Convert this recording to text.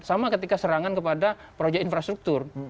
sama ketika serangan kepada proyek infrastruktur